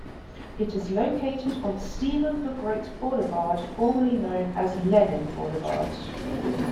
It is located on Stephen the Great Boulevard formerly known as Lenin Boulevard.